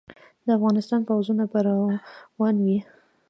د افغانستان پوځونه به روان وي.